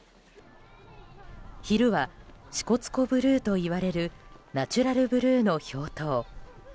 昼は、支笏湖ブルーといわれるナチュラルブルーの氷濤。